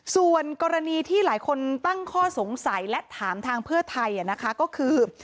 ส่วนกรณีที่หลายคนตั้งข้อสงสัยและถามทางเพื่อไทยนะคะก็คือ